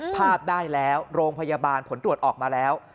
ภาพได้แล้วโรงพยาบาลผลตรวจออกมาแล้ว